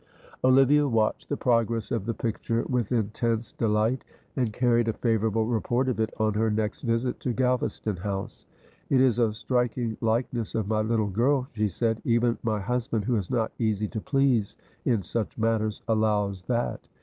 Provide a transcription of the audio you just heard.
Olivia watched the progress of the picture with intense delight, and carried a favourable report of it on her next visit to Galvaston House. "It is a striking likeness of my little girl," she said. "Even my husband, who is not easy to please in such matters, allows that.